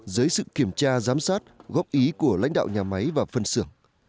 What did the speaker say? dưới sự kiểm tra giám sát góp ý của lãnh đạo nhà máy và phân xưởng